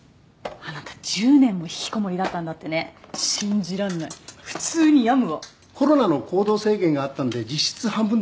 あなた１０年も引きこもりだったんだってね信じらんない普通に病むわコロナの行動制限があったので実質半分です